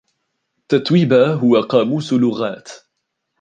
تتويبا هو قاموس لغات.